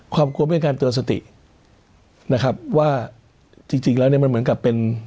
ความกลัวเป็นการเตือนสตินะครับว่าจริงแล้วเนี่ยมันเหมือนกับเป็น